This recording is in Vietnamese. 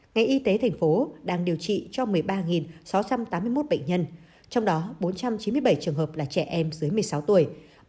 ngành y tế tp hcm đang điều trị cho một mươi ba sáu trăm tám mươi một bệnh nhân trong đó bốn trăm chín mươi bảy trường hợp là trẻ em dưới một mươi sáu tuổi